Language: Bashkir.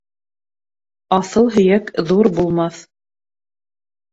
Аҫыл һөйәк ҙур булмаҫ